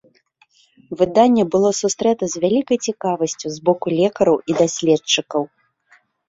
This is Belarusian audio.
Выданне было сустрэта з вялікай цікавасцю з боку лекараў і даследчыкаў.